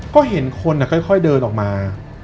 ก็เห็นคนค่อยเดินออกมา